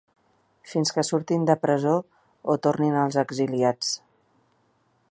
Fins que surtin de presó o tornin els exiliats.